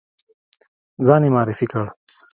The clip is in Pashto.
ځان یې معرفي کړ.